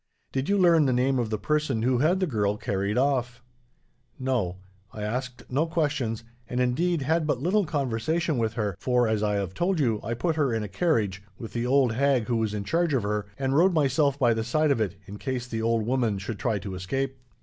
Did you learn the name of the person who had the girl carried off?" "No. I asked no questions, and indeed had but little conversation with her; for, as I have told you, I put her in a carriage, with the old hag who was in charge of her, and rode myself by the side of it, in case the old woman should try to escape."